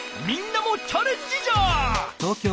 みんなもチャレンジじゃ！